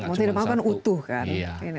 mau tidak mau kan utuh kan